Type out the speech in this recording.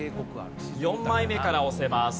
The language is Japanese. ４枚目から押せます。